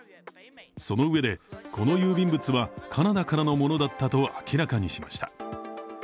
そのうえで、この郵便物はカナダからのものだったと明らかにしました。